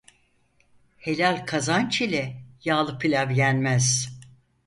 Helal kazanç ile yağlı pilav yenmez.